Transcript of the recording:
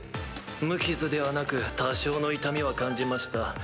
無傷ではなく多少の痛みは感じました。